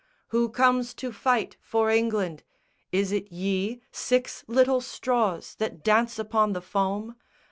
Who comes to fight for England? Is it ye, Six little straws that dance upon the foam?